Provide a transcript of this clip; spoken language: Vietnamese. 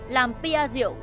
làm pr rượu